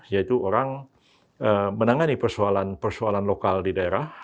yaitu orang menangani persoalan persoalan lokal di daerah